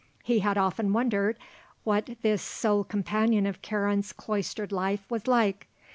He had often wondered what this sole companion of Karen's cloistered life was like.